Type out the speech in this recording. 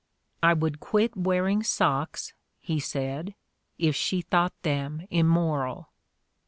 "I would quit wearing socks," he said, "if she thought them immoral."